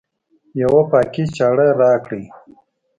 یوه پاکي چاړه راکړئ